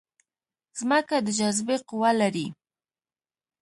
ځمکه د جاذبې قوه لري